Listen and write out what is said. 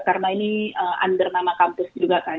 karena ini under nama kampus juga kan